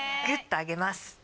ぐっと上げます。